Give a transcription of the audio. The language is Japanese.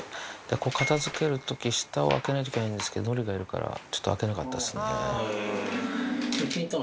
これ、片づけるとき下を開けないといけないんですけど、のりがいるから、ちょっと開けなかったですね。